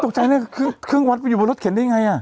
ตกใจเลยเครื่องวัดไปอยู่บนรถเข็นได้ยังไงอ่ะ